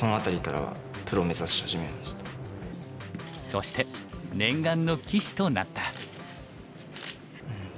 そして念願の棋士となった。